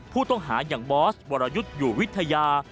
ผู้ต้องหาอย่างบอสวรยุทธ์อยู่วิทยา